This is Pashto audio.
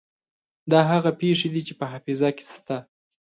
دا هغه پېښې دي چې په حافظه کې شته.